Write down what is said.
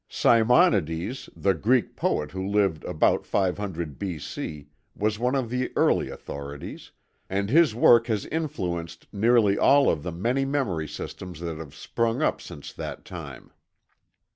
Simonides, the Greek poet who lived about 500 B.C. was one of the early authorities, and his work has influenced nearly all of the many memory systems that have sprung up since that time.